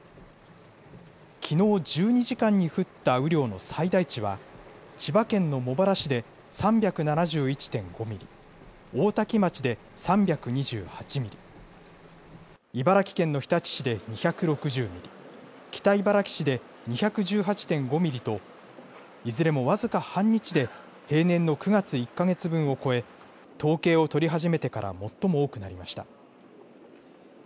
きのう１２時間に降った雨量の最大値は、千葉県の茂原市で３７１．５ミリ、大多喜町で３２８ミリ、茨城県の日立市で２６０ミリ、北茨城市で２１８．５ミリと、いずれも僅か半日で平年の９月１か月分を超え、統計を取り始めてから最も多くなりました。